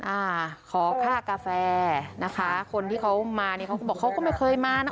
อ่าขอค่ากาแฟนะคะคนที่เขามาเนี่ยเขาก็บอกเขาก็ไม่เคยมานะ